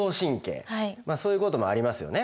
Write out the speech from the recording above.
まあそういうこともありますよね。